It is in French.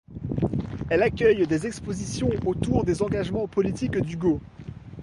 Elle accueille des expositions autour des engagements politiques d'Hugo.